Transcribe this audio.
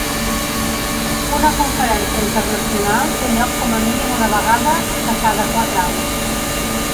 Una conferència internacional té lloc com a mínim una vegada que cada quatre anys.